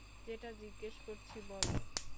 যেটা জিজ্ঞেস করছি বলো।